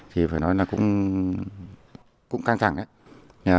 thì phải nói là cũng cũng căng thẳng đấy